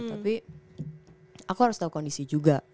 tapi aku harus tahu kondisi juga